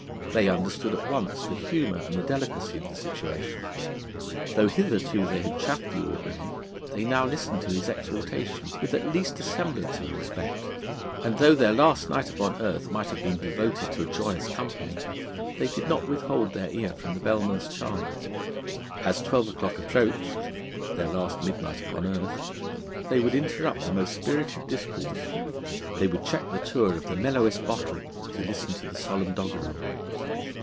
They understood at once the humour and the delicacy of the situation. Though hitherto they had chaffed the Ordinary, they now listened to his exhortation with at least a semblance of respect; and though their last night upon earth might have been devoted to a joyous company, they did not withhold their ear from the Bellman's Chant. As twelve o'clock approached their last midnight upon earth they would interrupt the most spirited discourse, they would check the tour of the mellowest bottle to listen to the solemn doggerel.